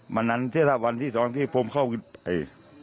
วันนั้นที่ถ้าวันที่สองที่ผมเข้าไป